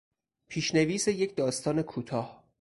پیشنویس یک داستان کوتاه